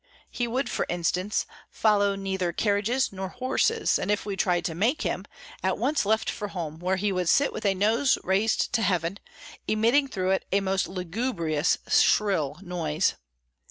He would, for instance, follow neither carriages nor horses, and if we tried to make him, at once left for home, where he would sit with nose raised to Heaven, emitting through it a most lugubrious, shrill noise.